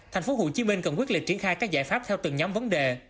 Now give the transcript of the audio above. tp hcm cần quyết liệt triển khai các giải pháp theo từng nhóm vấn đề